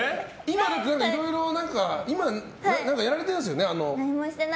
いろいろ今やられてるんですよね？